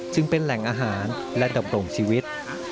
จึงเป็นแหล่งอาหารและดำรงชีวิต